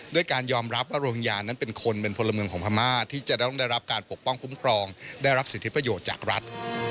ด้วยการยอมรับว่าโรฮิงญานั้นเป็นคนเป็นพลเมืองของพม่าที่จะต้องได้รับการปกป้องคุ้มครองได้รับสิทธิประโยชน์จากรัฐ